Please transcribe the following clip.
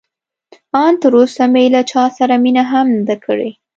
ان تراوسه مې له چا سره مینه هم نه ده کړې.